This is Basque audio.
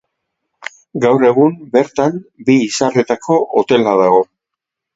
Gaur egun bertan bi izarretako hotela dago.